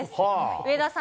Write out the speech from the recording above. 上田さん